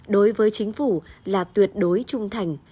đối với chính phủ là tuyệt đối trung thành